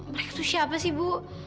mereka tuh siapa sih bu